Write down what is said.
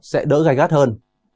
sẽ đỡ gai gắt hơn